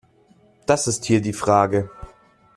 Das ist hier die Frage.